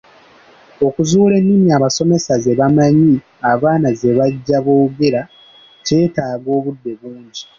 Okuzuula ennimi abasomesa ze bamanyi abaana ze bajja boogera kyetaaga obudde bungi.